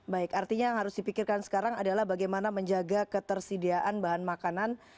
baik artinya yang harus dipikirkan sekarang adalah bagaimana menjaga ketersediaan bahan makanan